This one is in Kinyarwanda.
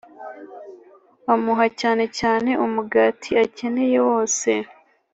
amuha cyane cyane umugati akeneye wose.